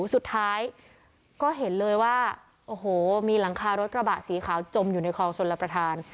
สุดท้ายก็เห็นเลยว่าโอ้โหมีหลังคารถกระบะสีขาวจมอยู่ในคลองชนรับประทาน